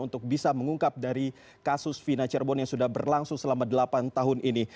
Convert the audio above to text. untuk bisa mengungkap dari kasus fina cirebon yang sudah berlangsung selama delapan tahun ini